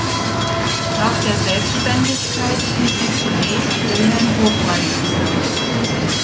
Nach der Selbstständigkeit hieß sie zunächst "Wilhelm-Hofmann-Schule".